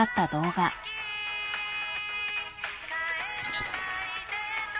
ちょっと。